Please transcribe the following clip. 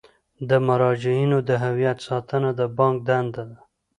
د مراجعینو د هویت ساتنه د بانک دنده ده.